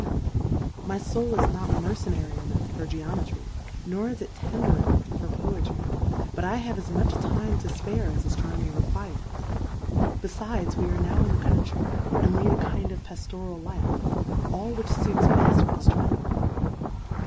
nomy, my Soul is not mercenary enough for Geometry, nor is it tender enopugh for Poetry ; but I have as much Time to fpare as Aftronomy requires i befides we are now in the Country, and lead a kind of Paftoral Life, all which fuits beft with Aftronomy.